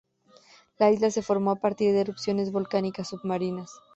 La isla se formó a partir de erupciones volcánicas submarinas.